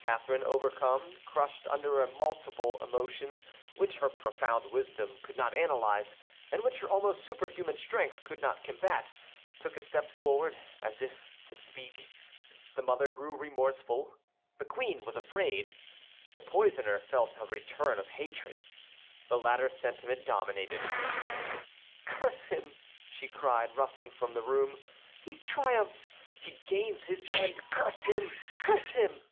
Catharine, overcome, crushed under a multiple emotion which her profound wisdom could not analyze, and which her almost superhuman strength could not combat, took a step forward as if to speak. The mother grew remorseful; the queen was afraid; the poisoner felt a return of hatred. The latter sentiment dominated. "Curse him!" she cried, rushing from the room, "he triumphs, he gains his end; curse him! curse him!"